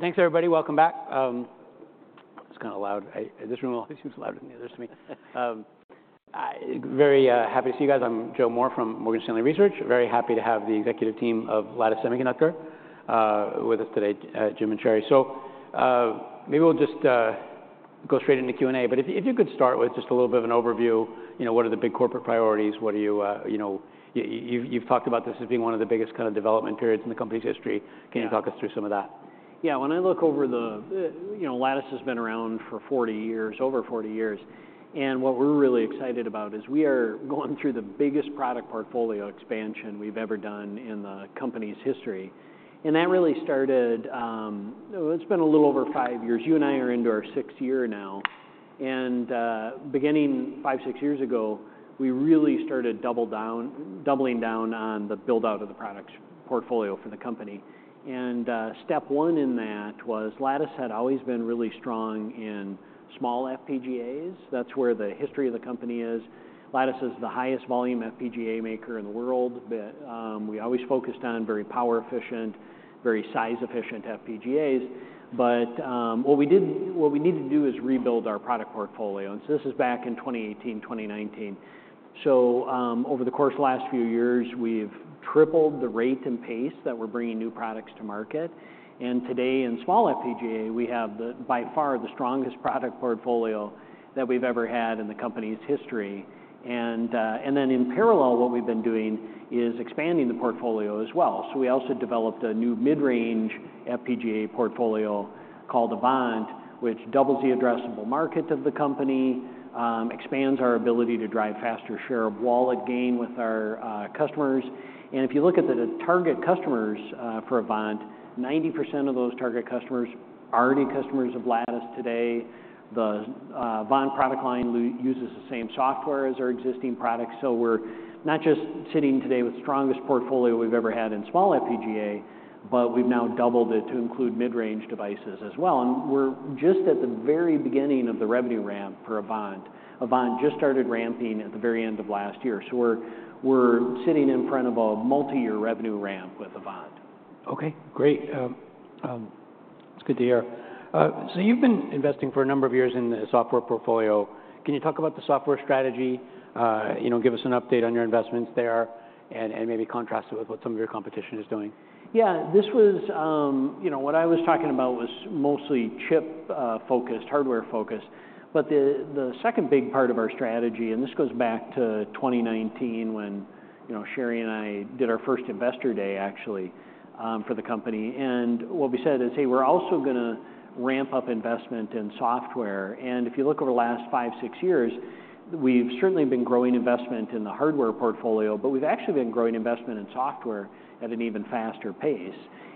Thanks, everybody. Welcome back. It's kind of loud. In this room will always seem louder than the others to me. I'm very happy to see you guys. I'm Joe Moore from Morgan Stanley Research. Very happy to have the executive team of Lattice Semiconductor with us today, Jim and Sherri. So, maybe we'll just go straight into Q&A. But if you could start with just a little bit of an overview, you know, what are the big corporate priorities? What are you, you know, you've talked about this as being one of the biggest kind of development periods in the company's history. Can you talk us through some of that? Yeah. When I look over the, you know, Lattice has been around for 40 years, over 40 years. And what we're really excited about is we are going through the biggest product portfolio expansion we've ever done in the company's history. And that really started, well, it's been a little over 5 years. You and I are into our sixth year now. And, beginning five, six years ago, we really started double down doubling down on the build-out of the product portfolio for the company. And, step one in that was Lattice had always been really strong in small FPGAs. That's where the history of the company is. Lattice is the highest volume FPGA maker in the world. But, we always focused on very power-efficient, very size-efficient FPGAs. But, what we did what we needed to do is rebuild our product portfolio. And so this is back in 2018, 2019. So, over the course of the last few years, we've tripled the rate and pace that we're bringing new products to market. And today, in small FPGA, we have by far the strongest product portfolio that we've ever had in the company's history. And then in parallel, what we've been doing is expanding the portfolio as well. So we also developed a new mid-range FPGA portfolio called Avant, which doubles the addressable market of the company, expands our ability to drive faster share-of-wallet gain with our customers. And if you look at the target customers for Avant, 90% of those target customers are already customers of Lattice today. The Avant product line also uses the same software as our existing products. So we're not just sitting today with the strongest portfolio we've ever had in small FPGA, but we've now doubled it to include mid-range devices as well. We're just at the very beginning of the revenue ramp for Avant. Avant just started ramping at the very end of last year. We're, we're sitting in front of a multi-year revenue ramp with Avant. Okay. Great. It's good to hear. So you've been investing for a number of years in the software portfolio. Can you talk about the software strategy, you know, give us an update on your investments there and, and maybe contrast it with what some of your competition is doing? Yeah. This was, you know, what I was talking about was mostly chip-focused, hardware-focused. But the second big part of our strategy and this goes back to 2019 when, you know, Sherri and I did our first investor day, actually, for the company. And what we said is, hey, we're also gonna ramp up investment in software. And if you look over the last five, six years, we've certainly been growing investment in the hardware portfolio, but we've actually been growing investment in software at an even faster pace.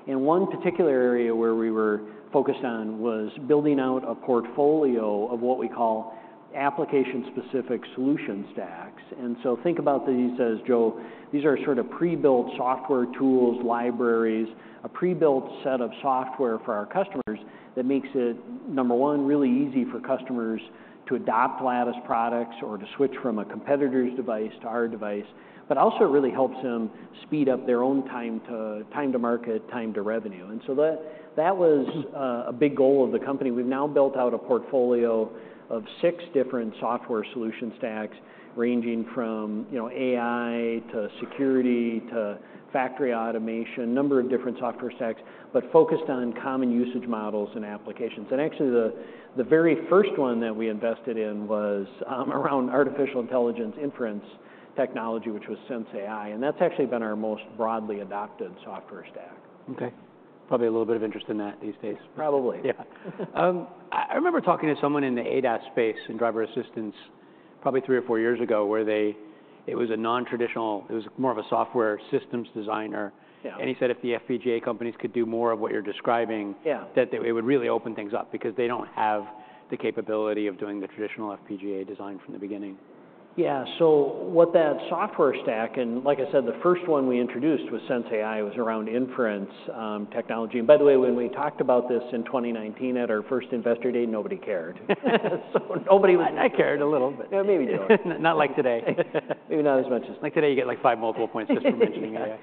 And one particular area where we were focused on was building out a portfolio of what we call application-specific solution stacks. So think about these as, Joe, these are sort of pre-built software tools, libraries, a pre-built set of software for our customers that makes it, number one, really easy for customers to adopt Lattice products or to switch from a competitor's device to our device. But also, it really helps them speed up their own time to time to market, time to revenue. And so that, that was, a big goal of the company. We've now built out a portfolio of six different software solution stacks ranging from, you know, AI to security to factory automation, a number of different software stacks, but focused on common usage models and applications. And actually, the, the very first one that we invested in was, around artificial intelligence inference technology, which was sensAI. And that's actually been our most broadly adopted software stack. Okay. Probably a little bit of interest in that these days. Probably. Yeah. I remember talking to someone in the ADAS space in driver assistance probably three or four years ago where they it was a non-traditional it was more of a software systems designer. Yeah. He said if the FPGA companies could do more of what you're describing. Yeah. That it would really open things up because they don't have the capability of doing the traditional FPGA design from the beginning. Yeah. So what that software stack and like I said, the first one we introduced with sensAI was around inference technology. And by the way, when we talked about this in 2019 at our first investor day, nobody cared. So nobody was. I cared a little bit. Yeah. Maybe Joe. Not like today. Maybe not as much as like today, you get like five multiple points just for mentioning AI. Okay.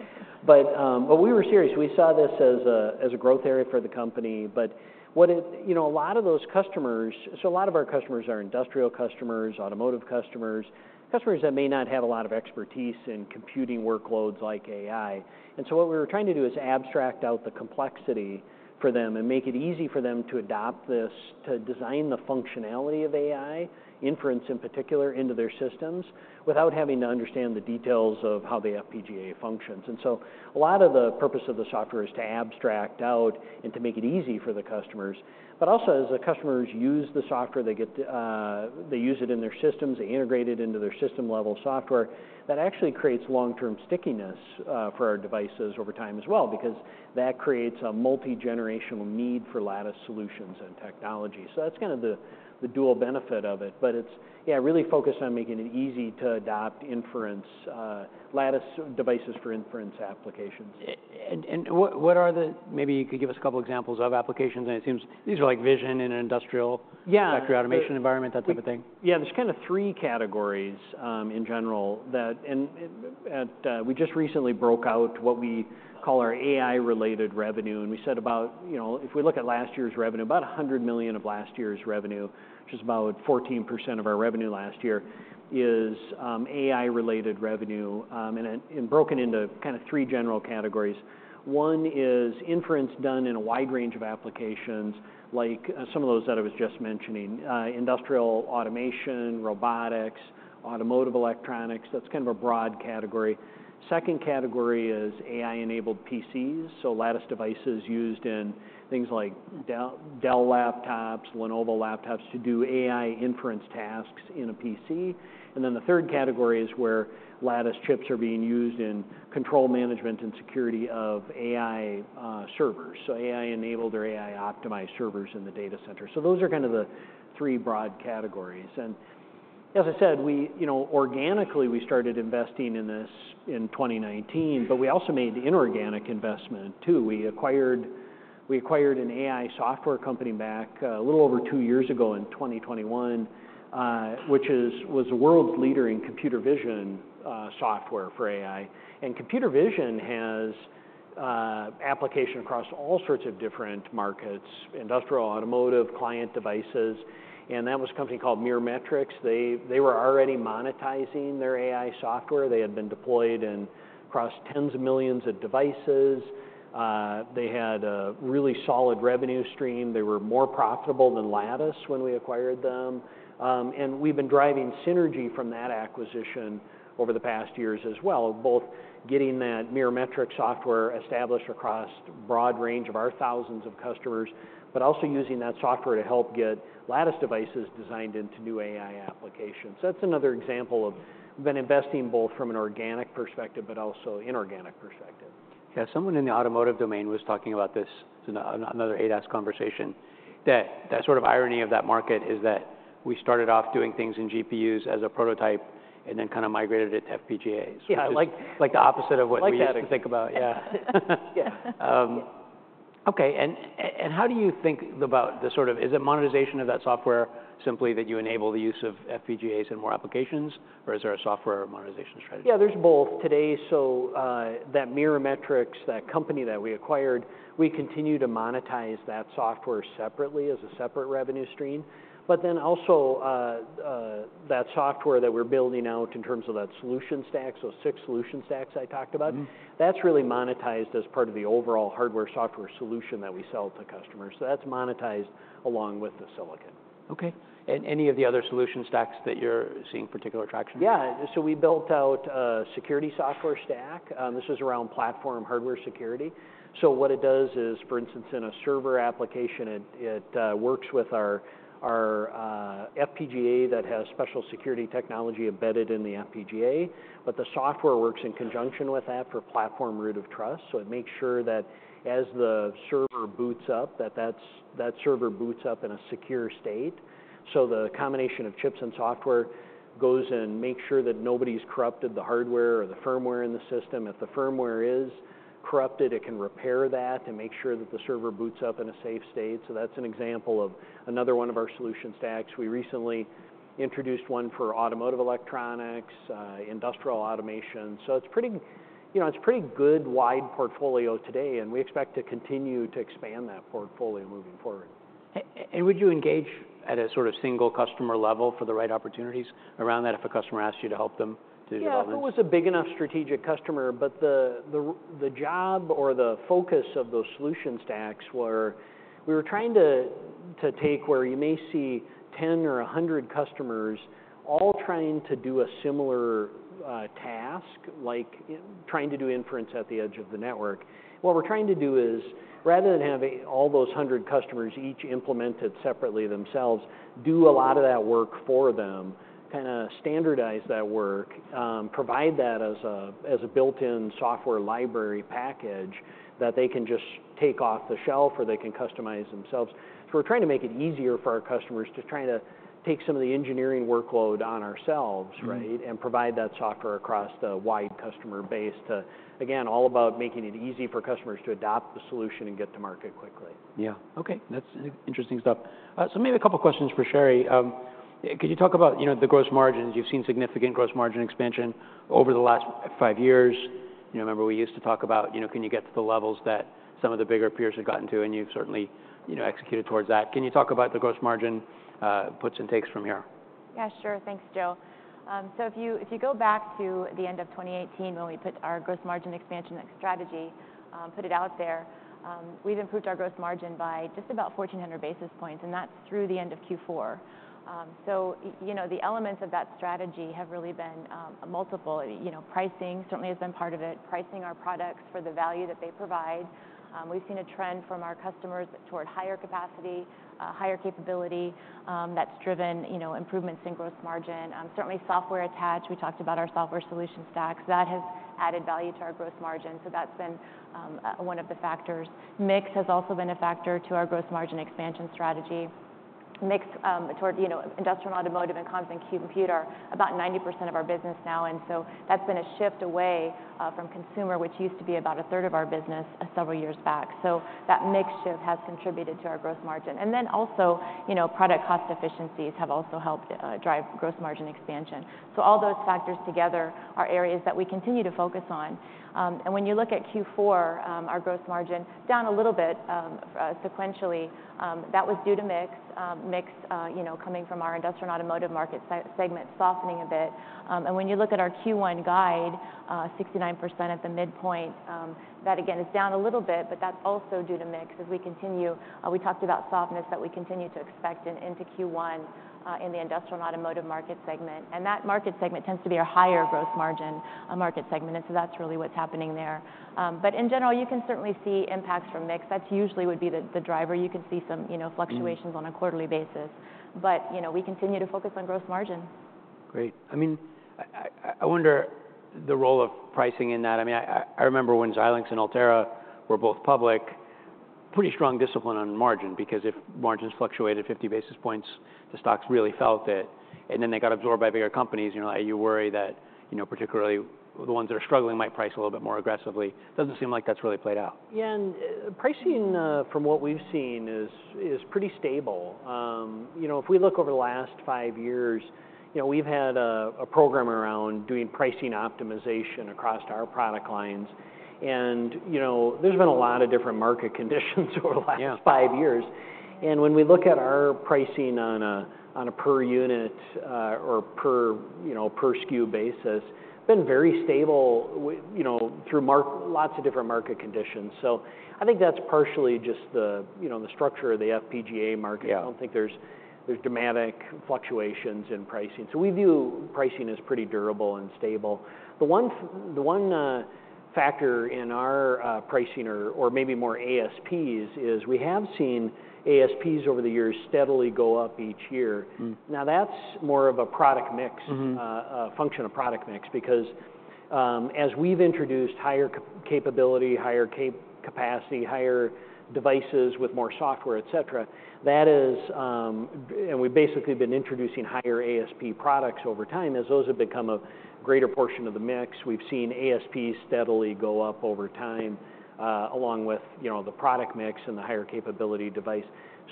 But, but we were serious. We saw this as a as a growth area for the company. But what it you know, a lot of those customers so a lot of our customers are industrial customers, automotive customers, customers that may not have a lot of expertise in computing workloads like AI. And so what we were trying to do is abstract out the complexity for them and make it easy for them to adopt this, to design the functionality of AI, inference in particular, into their systems without having to understand the details of how the FPGA functions. And so a lot of the purpose of the software is to abstract out and to make it easy for the customers. But also, as the customers use the software, they get they use it in their systems. They integrate it into their system-level software. That actually creates long-term stickiness for our devices over time as well because that creates a multi-generational need for Lattice solutions and technology. So that's kind of the dual benefit of it. But it's, yeah, really focused on making it easy to adopt inference, Lattice devices for inference applications. And what are they? Maybe you could give us a couple examples of applications. And it seems these are like vision in an industrial. Yeah. Factory automation environment, that type of thing. Yeah. There's kind of three categories, in general, and we just recently broke out what we call our AI-related revenue. And we said, about, you know, if we look at last year's revenue, about $100 million of last year's revenue, which is about 14% of our revenue last year, is AI-related revenue, and broken into kind of three general categories. One is inference done in a wide range of applications like, some of those that I was just mentioning, industrial automation, robotics, automotive electronics. That's kind of a broad category. Second category is AI-enabled PCs, so Lattice devices used in things like Dell laptops, Lenovo laptops to do AI inference tasks in a PC. And then the third category is where Lattice chips are being used in control management and security of AI servers, so AI-enabled or AI-optimized servers in the data center. So those are kind of the three broad categories. And as I said, we, you know, organically, we started investing in this in 2019. But we also made inorganic investment too. We acquired an AI software company back, a little over two years ago in 2021, which was the world's leader in computer vision software for AI. And computer vision has application across all sorts of different markets, industrial, automotive, client devices. And that was a company called Mirametrix. They were already monetizing their AI software. They had been deployed across tens of millions of devices. They had a really solid revenue stream. They were more profitable than Lattice when we acquired them. We've been driving synergy from that acquisition over the past years as well, both getting that Mirametrix software established across a broad range of our thousands of customers but also using that software to help get Lattice devices designed into new AI applications. So that's another example of we've been investing both from an organic perspective but also inorganic perspective. Yeah. Someone in the automotive domain was talking about this in another ADAS conversation. That sort of irony of that market is that we started off doing things in GPUs as a prototype and then kind of migrated it to FPGAs. So it's. Yeah. Like. Like the opposite of what we used to think about. Yeah. Yeah. Okay. And how do you think about the sort of, is it monetization of that software simply that you enable the use of FPGAs in more applications, or is there a software monetization strategy? Yeah. There's both. Today, so, that Mirametrix, that company that we acquired, we continue to monetize that software separately as a separate revenue stream. But then also, that software that we're building out in terms of that solution stack, so six solution stacks I talked about, that's really monetized as part of the overall hardware-software solution that we sell to customers. So that's monetized along with the silicon. Okay. And any of the other solution stacks that you're seeing particular attraction? Yeah. So we built out a security software stack. This is around platform hardware security. So what it does is, for instance, in a server application, it works with our FPGA that has special security technology embedded in the FPGA. But the software works in conjunction with that for platform Root of Trust. So it makes sure that as the server boots up, that the server boots up in a secure state. So the combination of chips and software goes and makes sure that nobody's corrupted the hardware or the firmware in the system. If the firmware is corrupted, it can repair that and make sure that the server boots up in a safe state. So that's an example of another one of our solution stacks. We recently introduced one for automotive electronics, industrial automation. So it's pretty, you know, it's pretty good wide portfolio today. We expect to continue to expand that portfolio moving forward. Would you engage at a sort of single customer level for the right opportunities around that if a customer asked you to help them to develop them? Yeah. I thought it was a big enough strategic customer. But the job or the focus of those solution stacks were we were trying to take where you may see 10 or 100 customers all trying to do a similar task, like, you know, trying to do inference at the edge of the network. What we're trying to do is, rather than have all those 100 customers each implement it separately themselves, do a lot of that work for them, kind of standardize that work, provide that as a built-in software library package that they can just take off the shelf or they can customize themselves. So we're trying to make it easier for our customers to try to take some of the engineering workload on ourselves, right, and provide that software across the wide customer base to again, all about making it easy for customers to adopt the solution and get to market quickly. Yeah. Okay. That's interesting stuff. So maybe a couple questions for Sherri. Could you talk about, you know, the gross margins? You've seen significant gross margin expansion over the last five years. You know, remember, we used to talk about, you know, can you get to the levels that some of the bigger peers had gotten to? And you've certainly, you know, executed towards that. Can you talk about the gross margin, puts and takes from here? Yeah. Sure. Thanks, Joe. If you if you go back to the end of 2018 when we put our gross margin expansion strategy, put it out there, we've improved our gross margin by just about 1,400 basis points. That's through the end of Q4. Y-you know, the elements of that strategy have really been, multiple. You know, pricing certainly has been part of it, pricing our products for the value that they provide. We've seen a trend from our customers toward higher capacity, higher capability, that's driven, you know, improvements in gross margin. Certainly, software attach. We talked about our software solution stacks. That has added value to our gross margin. So that's been, a-one of the factors. Mix has also been a factor to our gross margin expansion strategy. Mix, toward, you know, industrial, automotive, and comms and computer about 90% of our business now. And so that's been a shift away from consumer, which used to be about a third of our business several years back. So that mix shift has contributed to our gross margin. And then also, you know, product cost efficiencies have also helped drive gross margin expansion. So all those factors together are areas that we continue to focus on. And when you look at Q4, our gross margin down a little bit sequentially, that was due to mix, you know, coming from our industrial, automotive market segment softening a bit. And when you look at our Q1 guide, 69% at the midpoint, that, again, is down a little bit. But that's also due to mix as we continue we talked about softness that we continue to expect into Q1 in the industrial, automotive market segment. That market segment tends to be our higher gross margin market segment. So that's really what's happening there. But in general, you can certainly see impacts from mix. That's usually would be the driver. You can see some, you know, fluctuations on a quarterly basis. But, you know, we continue to focus on gross margin. Great. I mean, I wonder the role of pricing in that. I mean, I remember when Xilinx and Altera were both public, pretty strong discipline on margin because if margins fluctuated 50 basis points, the stocks really felt it. And then they got absorbed by bigger companies. And you're like, "Are you worried that, you know, particularly the ones that are struggling might price a little bit more aggressively?" Doesn't seem like that's really played out. Yeah. And pricing, from what we've seen, is pretty stable. You know, if we look over the last five years, you know, we've had a program around doing pricing optimization across our product lines. And, you know, there's been a lot of different market conditions over the last. Yeah. 5 years. When we look at our pricing on a per unit, or per, you know, SKU basis, it's been very stable, you know, through lots of different market conditions. So I think that's partially just the, you know, the structure of the FPGA market. Yeah. I don't think there's dramatic fluctuations in pricing. So we view pricing as pretty durable and stable. The one factor in our pricing or maybe more ASPs is we have seen ASPs over the years steadily go up each year. Mm-hmm. Now, that's more of a product mix. Mm-hmm. A function of product mix because, as we've introduced higher capability, higher capacity, higher devices with more software, etc., that is, and we've basically been introducing higher ASP products over time. As those have become a greater portion of the mix, we've seen ASPs steadily go up over time, along with, you know, the product mix and the higher capability device.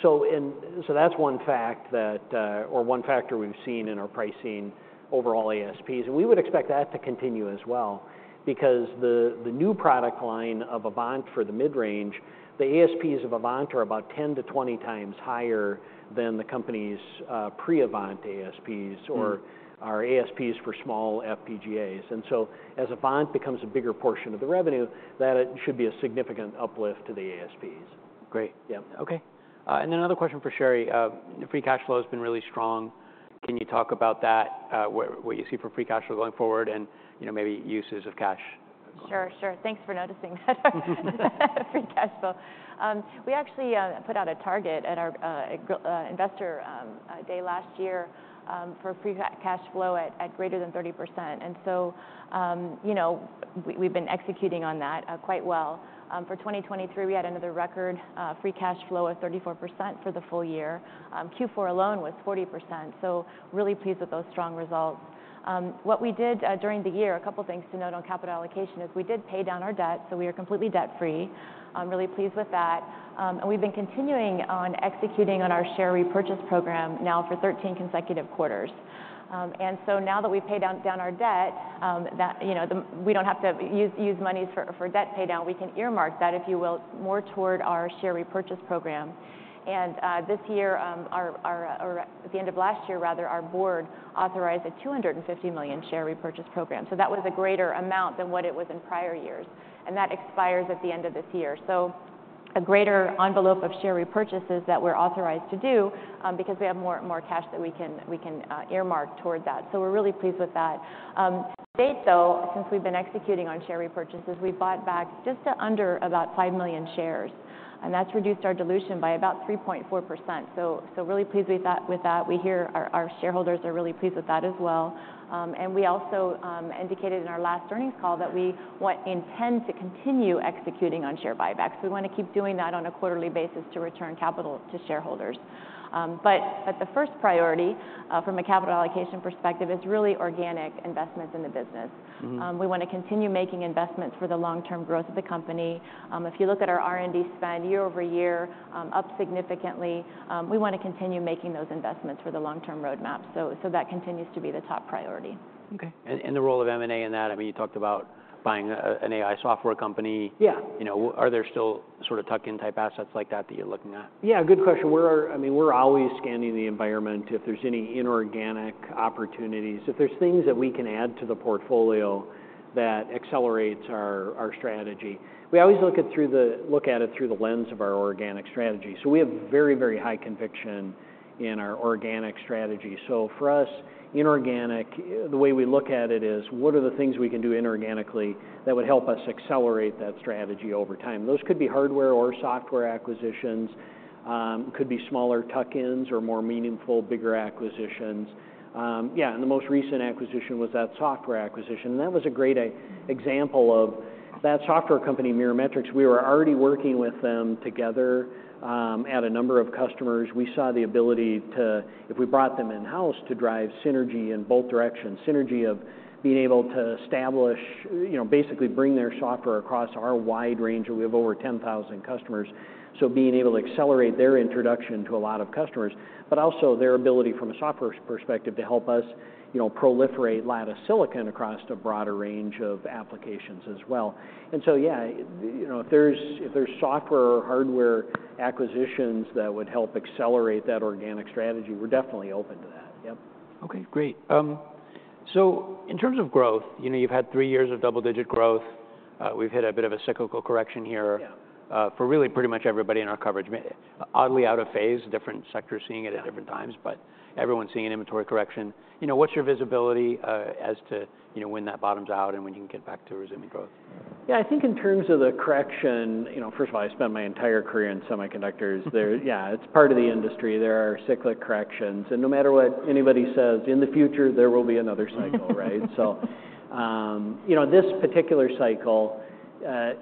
So and so that's one fact that, or one factor we've seen in our pricing overall ASPs. And we would expect that to continue as well because the, the new product line of Avant for the mid-range, the ASPs of Avant are about 10-20 times higher than the company's pre-Avant ASPs or. Mm-hmm. Our ASPs for small FPGAs. And so as Avant becomes a bigger portion of the revenue, that it should be a significant uplift to the ASPs. Great. Yeah. Okay. And then another question for Sherri. Free cash flow has been really strong. Can you talk about that, what, what you see for free cash flow going forward and, you know, maybe uses of cash? Sure. Sure. Thanks for noticing that, free cash flow. We actually put out a target at our Investor Day last year for free cash flow at greater than 30%. And so, you know, we've been executing on that quite well. For 2023, we had another record free cash flow of 34% for the full year. Q4 alone was 40%. So really pleased with those strong results. What we did during the year, a couple things to note on capital allocation is we did pay down our debt. So we are completely debt-free. I'm really pleased with that. And we've been continuing on executing on our share repurchase program now for 13 consecutive quarters. And so now that we've paid down our debt, you know, we don't have to use monies for debt paydown. We can earmark that, if you will, more toward our share repurchase program. This year, our or at the end of last year, rather, our board authorized a $250 million share repurchase program. So that was a greater amount than what it was in prior years. And that expires at the end of this year. So a greater envelope of share repurchases that we're authorized to do, because we have more cash that we can earmark toward that. So we're really pleased with that. To date, though, since we've been executing on share repurchases, we've bought back just under about 5 million shares. And that's reduced our dilution by about 3.4%. So really pleased with that. We hear our shareholders are really pleased with that as well. We also indicated in our last earnings call that we intend to continue executing on share buybacks. We wanna keep doing that on a quarterly basis to return capital to shareholders, but the first priority, from a capital allocation perspective, is really organic investments in the business. Mm-hmm. We wanna continue making investments for the long-term growth of the company. If you look at our R&D spend year-over-year, up significantly, we wanna continue making those investments for the long-term roadmap. So, so that continues to be the top priority. Okay. And the role of M&A in that? I mean, you talked about buying an AI software company. Yeah. You know, are there still sort of tuck-in type assets like that that you're looking at? Yeah. Good question. I mean, we're always scanning the environment if there's any inorganic opportunities, if there's things that we can add to the portfolio that accelerates our, our strategy. We always look at it through the lens of our organic strategy. So we have very, very high conviction in our organic strategy. So for us, inorganic, the way we look at it is, what are the things we can do inorganically that would help us accelerate that strategy over time? Those could be hardware or software acquisitions. Could be smaller tuck-ins or more meaningful, bigger acquisitions. Yeah. And the most recent acquisition was that software acquisition. And that was a great example of that software company, Mirametrix. We were already working with them together, at a number of customers. We saw the ability to, if we brought them in-house, to drive synergy in both directions, synergy of being able to establish, you know, basically bring their software across our wide range. And we have over 10,000 customers. So being able to accelerate their introduction to a lot of customers, but also their ability from a software perspective to help us, you know, proliferate Lattice silicon across a broader range of applications as well. And so, yeah, you know, if there's software or hardware acquisitions that would help accelerate that organic strategy, we're definitely open to that. Yep. Okay. Great. So in terms of growth, you know, you've had three years of double-digit growth. We've hit a bit of a cyclical correction here. Yeah. for really pretty much everybody in our coverage. M&A oddly out of phase, different sectors seeing it at different times. Yeah. Everyone's seeing an inventory correction. You know, what's your visibility as to, you know, when that bottoms out and when you can get back to resuming growth? Yeah. I think in terms of the correction, you know, first of all, I spent my entire career in semiconductors. Yeah. It's part of the industry. There are cyclical corrections. And no matter what anybody says, in the future, there will be another cycle, right? So, you know, this particular cycle,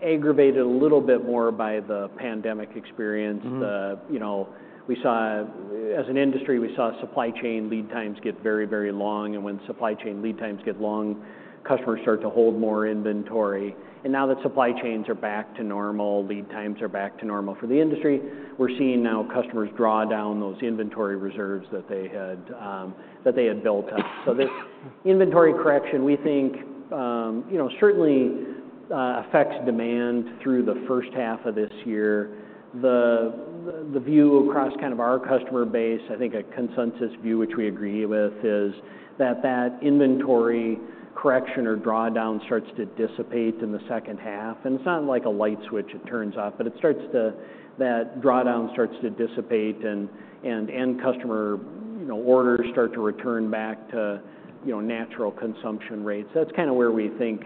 aggravated a little bit more by the pandemic experience. The, you know, we saw as an industry, we saw supply chain lead times get very, very long. And when supply chain lead times get long, customers start to hold more inventory. And now that supply chains are back to normal, lead times are back to normal for the industry, we're seeing now customers draw down those inventory reserves that they had, that they had built up. So this inventory correction, we think, you know, certainly, affects demand through the first half of this year. The view across kind of our customer base, I think a consensus view, which we agree with, is that that inventory correction or drawdown starts to dissipate in the second half. And it's not like a light switch it turns off. But it starts to that drawdown starts to dissipate. And customer, you know, orders start to return back to, you know, natural consumption rates. That's kinda where we think,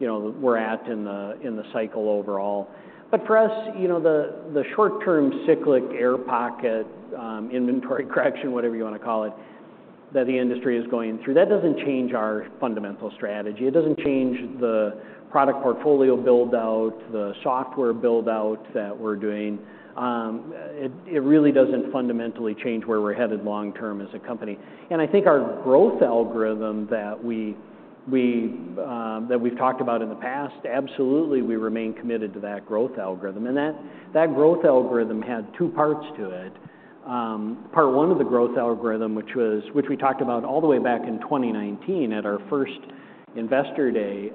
you know, we're at in the cycle overall. But for us, you know, the short-term cyclic air pocket, inventory correction, whatever you wanna call it, that the industry is going through, that doesn't change our fundamental strategy. It doesn't change the product portfolio buildout, the software buildout that we're doing. It really doesn't fundamentally change where we're headed long-term as a company. I think our growth algorithm that we've talked about in the past, absolutely, we remain committed to that growth algorithm. And that growth algorithm had two parts to it. Part one of the growth algorithm, which we talked about all the way back in 2019 at our first investor day,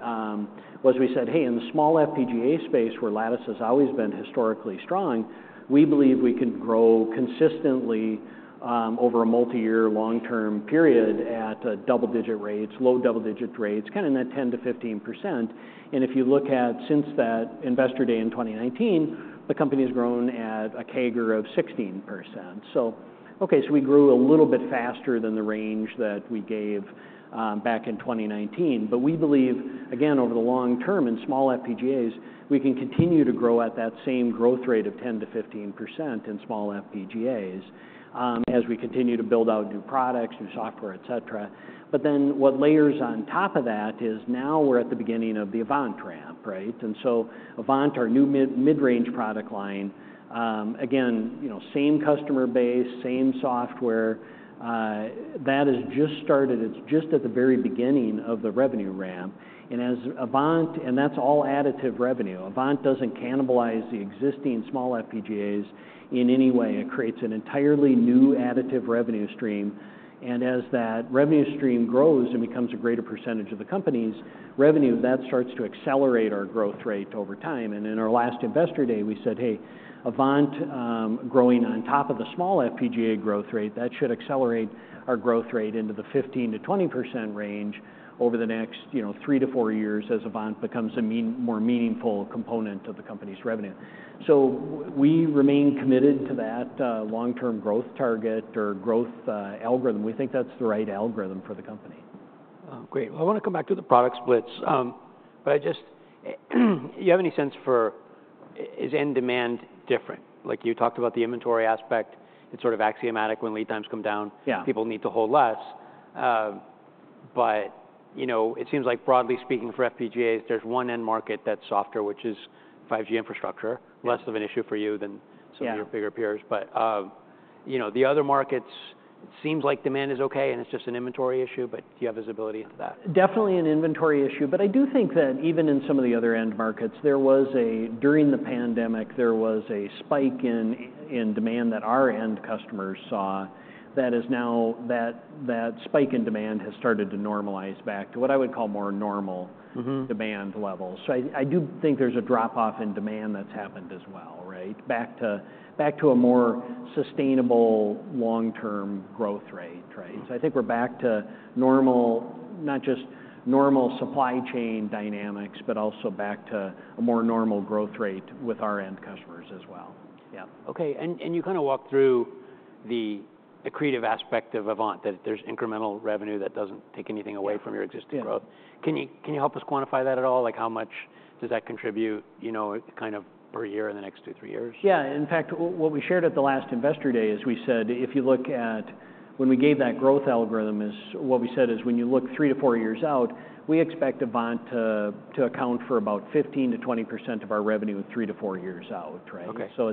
was we said, "Hey, in the small FPGA space, where Lattice has always been historically strong, we believe we can grow consistently, over a multi-year, long-term period at double-digit rates, low double-digit rates, kinda in that 10%-15%." And if you look since that investor day in 2019, the company has grown at a CAGR of 16%. So, okay. So we grew a little bit faster than the range that we gave, back in 2019. But we believe, again, over the long-term in small FPGAs, we can continue to grow at that same growth rate of 10%-15% in small FPGAs, as we continue to build out new products, new software, etc. But then what layers on top of that is now we're at the beginning of the Avant ramp, right? And so Avant, our new mid, mid-range product line, again, you know, same customer base, same software, that has just started it's just at the very beginning of the revenue ramp. And as Avant and that's all additive revenue. Avant doesn't cannibalize the existing small FPGAs in any way. It creates an entirely new additive revenue stream. And as that revenue stream grows and becomes a greater percentage of the company's revenue, that starts to accelerate our growth rate over time. And in our last investor day, we said, "Hey, Avant, growing on top of the small FPGA growth rate, that should accelerate our growth rate into the 15%-20% range over the next, you know, three to four years as Avant becomes a more meaningful component of the company's revenue." So we remain committed to that, long-term growth target or growth algorithm. We think that's the right algorithm for the company. Great. Well, I wanna come back to the product splits, but I just do you have any sense for is end demand different? Like, you talked about the inventory aspect. It's sort of axiomatic when lead times come down. Yeah. People need to hold less. But, you know, it seems like broadly speaking for FPGAs, there's one end market that's softer, which is 5G infrastructure, less of an issue for you than some of your bigger peers. Yeah. You know, the other markets, it seems like demand is okay. It's just an inventory issue. But do you have visibility into that? Definitely an inventory issue. But I do think that even in some of the other end markets, there was, during the pandemic, a spike in demand that our end customers saw that has now, that spike in demand has started to normalize back to what I would call more normal. Mm-hmm. Demand levels. So I do think there's a drop-off in demand that's happened as well, right, back to a more sustainable long-term growth rate, right? So I think we're back to normal not just normal supply chain dynamics, but also back to a more normal growth rate with our end customers as well. Yeah. Okay. You kinda walked through the accretive aspect of Avant, that there's incremental revenue that doesn't take anything away from your existing growth. Yeah. Can you help us quantify that at all? Like, how much does that contribute, you know, kind of per year in the next 2, 3 years? Yeah. In fact, what we shared at the last investor day is we said, if you look at when we gave that growth algorithm is what we said is, when you look 3-4 years out, we expect Avant to account for about 15%-20% of our revenue 3-4 years out, right? Okay. So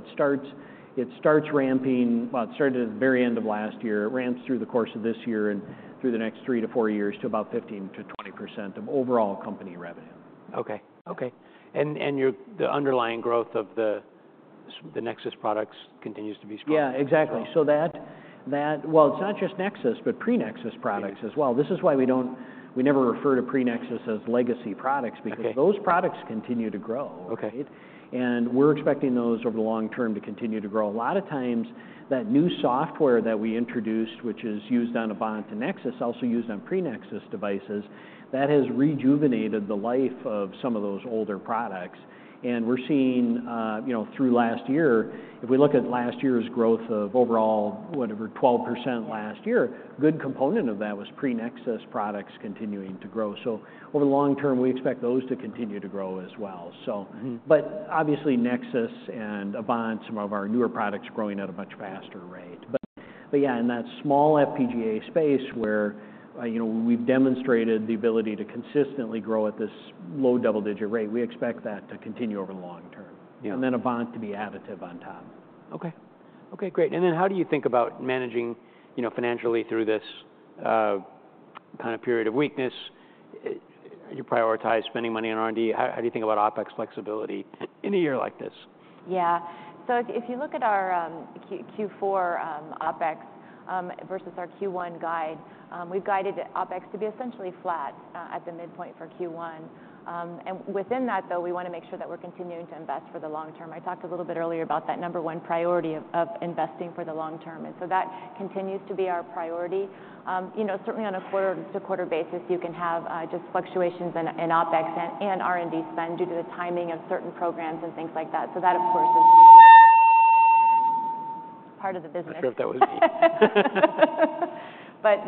it starts ramping well; it started at the very end of last year. It ramps through the course of this year and through the next 3-4 years to about 15%-20% of overall company revenue. Okay. The underlying growth of the Nexus products continues to be strong. Yeah. Exactly. So that well, it's not just Nexus, but pre-Nexus products as well. This is why we never refer to pre-Nexus as legacy products. Okay. Because those products continue to grow, right? Okay. And we're expecting those over the long-term to continue to grow. A lot of times, that new software that we introduced, which is used on Avant and Nexus, also used on pre-Nexus devices, that has rejuvenated the life of some of those older products. And we're seeing, you know, through last year if we look at last year's growth of overall, whatever, 12% last year, good component of that was pre-Nexus products continuing to grow. So over the long-term, we expect those to continue to grow as well. So. Mm-hmm. But obviously, Nexus and Avant, some of our newer products, growing at a much faster rate. But, but yeah. In that small FPGA space where, you know, we've demonstrated the ability to consistently grow at this low double-digit rate, we expect that to continue over the long-term. Yeah. And then Avant to be additive on top. Okay. Okay. Great. Then how do you think about managing, you know, financially through this kinda period of weakness? You prioritize spending money on R&D. How, how do you think about OpEx flexibility in a year like this? Yeah. So if, if you look at our Q4 OpEx versus our Q1 guide, we've guided OpEx to be essentially flat, at the midpoint for Q1. And within that, though, we wanna make sure that we're continuing to invest for the long-term. I talked a little bit earlier about that number one priority of, of investing for the long-term. And so that continues to be our priority. You know, certainly on a quarter-to-quarter basis, you can have just fluctuations in, in OpEx and, and R&D spend due to the timing of certain programs and things like that. So that, of course, is part of the business. I wonder if that was me. But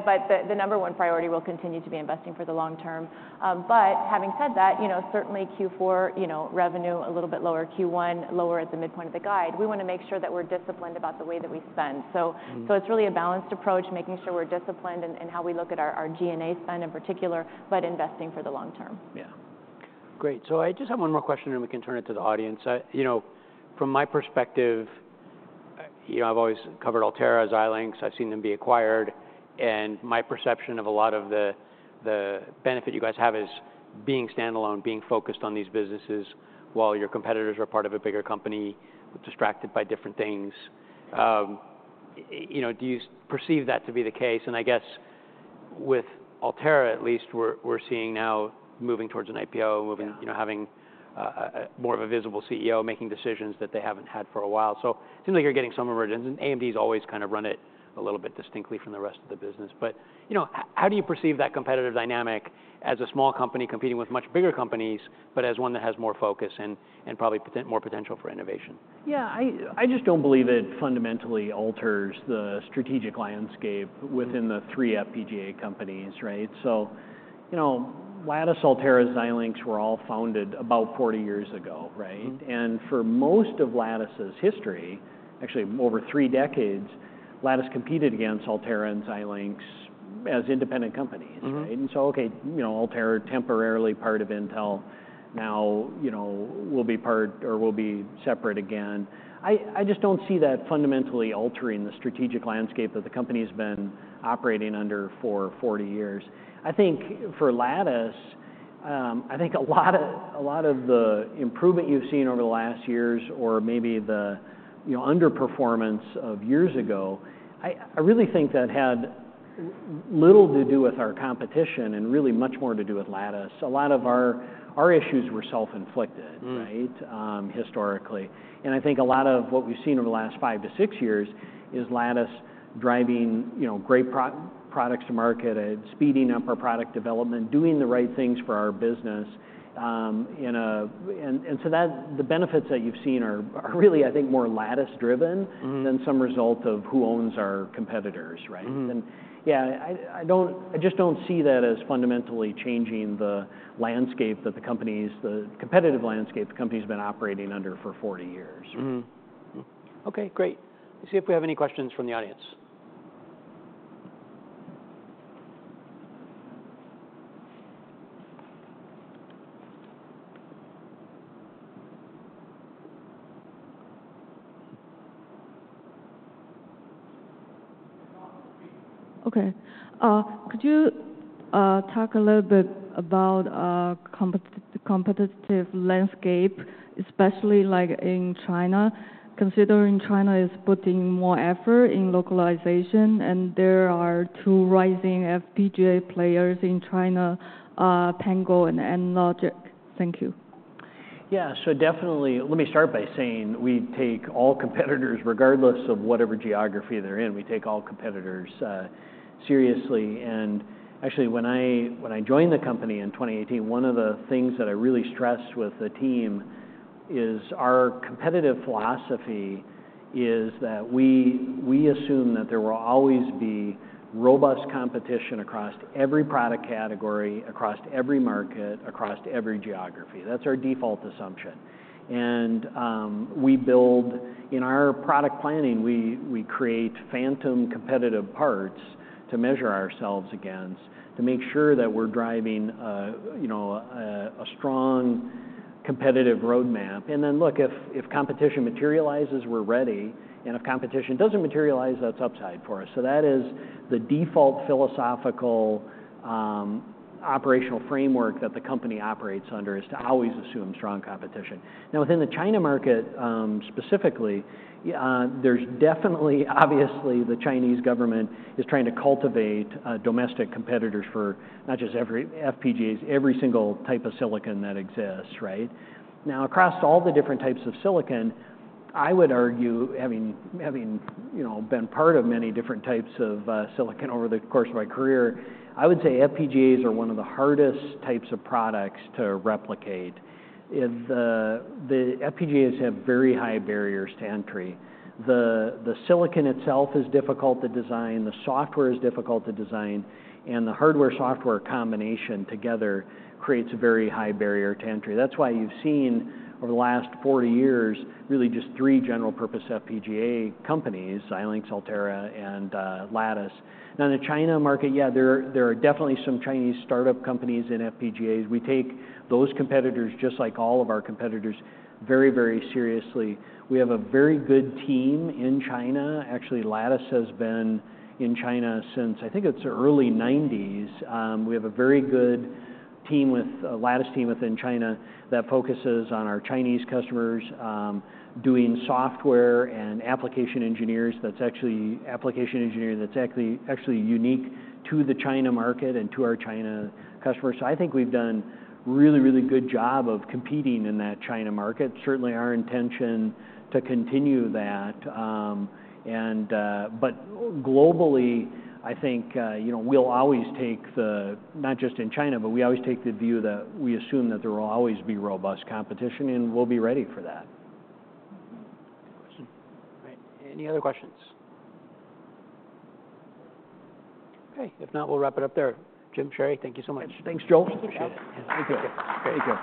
the number one priority will continue to be investing for the long-term. But having said that, you know, certainly Q4, you know, revenue a little bit lower, Q1 lower at the midpoint of the guide. We wanna make sure that we're disciplined about the way that we spend. So it's really a balanced approach, making sure we're disciplined in how we look at our G&A spend in particular, but investing for the long-term. Yeah. Great. So I just have one more question. And we can turn it to the audience. You know, from my perspective, you know, I've always covered Altera, Xilinx. I've seen them be acquired. And my perception of a lot of the benefit you guys have is being standalone, being focused on these businesses while your competitors are part of a bigger company, distracted by different things. You know, do you perceive that to be the case? And I guess with Altera, at least, we're seeing now moving towards an IPO, moving. Yeah. You know, having more of a visible CEO making decisions that they haven't had for a while. So it seems like you're getting some emergence. And AMD's always kinda run it a little bit distinctly from the rest of the business. But, you know, how do you perceive that competitive dynamic as a small company competing with much bigger companies, but as one that has more focus and probably more potential for innovation? Yeah. I just don't believe it fundamentally alters the strategic landscape within the three FPGA companies, right? So, you know, Lattice, Altera, Xilinx were all founded about 40 years ago, right? Mm-hmm. For most of Lattice's history, actually over three decades, Lattice competed against Altera and Xilinx as independent companies, right? Mm-hmm. You know, Altera, temporarily part of Intel, now, you know, will be part or will be separate again. I just don't see that fundamentally altering the strategic landscape that the company's been operating under for 40 years. I think for Lattice, I think a lot of a lot of the improvement you've seen over the last years or maybe the, you know, underperformance of years ago, I really think that had little to do with our competition and really much more to do with Lattice. A lot of our issues were self-inflicted. Mm-hmm. Right, historically. And I think a lot of what we've seen over the last 5-6 years is Lattice driving, you know, great products to market, speeding up our product development, doing the right things for our business, and so that the benefits that you've seen are really, I think, more Lattice-driven. Mm-hmm. That's some result of who owns our competitors, right? Mm-hmm. Yeah, I just don't see that as fundamentally changing the competitive landscape the company's been operating under for 40 years. Mm-hmm. Mm-hmm. Okay. Great. Let's see if we have any questions from the audience. Okay. Could you talk a little bit about the competitive landscape, especially, like, in China, considering China is putting more effort in localization? And there are two rising FPGA players in China, Pango and Anlogic. Thank you. Yeah. So definitely let me start by saying we take all competitors, regardless of whatever geography they're in, we take all competitors seriously. And actually, when I joined the company in 2018, one of the things that I really stressed with the team is our competitive philosophy is that we assume that there will always be robust competition across every product category, across every market, across every geography. That's our default assumption. And we build in our product planning, we create phantom competitive parts to measure ourselves against, to make sure that we're driving, you know, a strong competitive roadmap. And then look, if competition materializes, we're ready. And if competition doesn't materialize, that's upside for us. So that is the default philosophical, operational framework that the company operates under is to always assume strong competition. Now, within the China market, specifically, yeah, there's definitely obviously, the Chinese government is trying to cultivate, domestic competitors for not just every FPGAs, every single type of silicon that exists, right? Now, across all the different types of silicon, I would argue, having, you know, been part of many different types of, silicon over the course of my career, I would say FPGAs are one of the hardest types of products to replicate. The FPGAs have very high barriers to entry. The silicon itself is difficult to design. The software is difficult to design. And the hardware-software combination together creates a very high barrier to entry. That's why you've seen over the last 40 years really just three general-purpose FPGA companies, Xilinx, Altera, and Lattice. Now, in the China market, yeah, there are definitely some Chinese startup companies in FPGAs. We take those competitors, just like all of our competitors, very, very seriously. We have a very good team in China. Actually, Lattice has been in China since I think it's the early 1990s. We have a very good team with a Lattice team within China that focuses on our Chinese customers, doing software and application engineers that's actually application engineering that's actually, actually unique to the China market and to our China customers. So I think we've done a really, really good job of competing in that China market. Certainly, our intention to continue that, and but globally, I think, you know, we'll always take the not just in China, but we always take the view that we assume that there will always be robust competition. We'll be ready for that. Mm-hmm. Good question. All right. Any other questions? Okay. If not, we'll wrap it up there. Jim, Sherri, thank you so much. Thanks, Joe. Thank you. Thank you. Okay.